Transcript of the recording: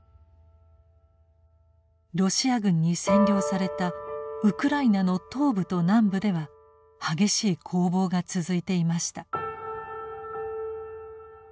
ロシア軍に占領されたウクライナの東部と南部では激しい攻防が続いていました。